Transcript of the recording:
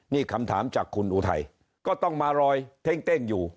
นี่คำถามจากคุณอุทัยก็ต้องมารอยเท้งอยู่